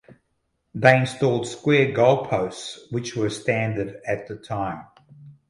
They installed square goalposts which were standard at the time.